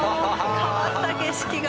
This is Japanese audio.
変わった景色が。